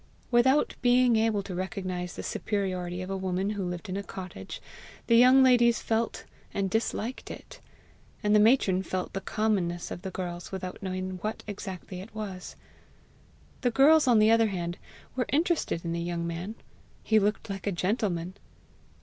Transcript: Without being able to recognize the superiority of a woman who lived in a cottage, the young ladies felt and disliked it; and the matron felt the commonness of the girls, without knowing what exactly it was. The girls, on the other hand, were interested in the young man: he looked like a gentleman!